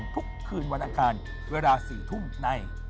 ทุกคืนวันอังคารเวลา๔ทุ่มใน